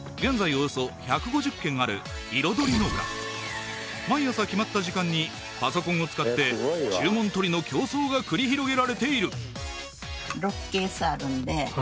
およそ１５０軒ある彩農家毎朝決まった時間にパソコンを使って注文取りの競争が繰り広げられている６ケースあるんでほな取ります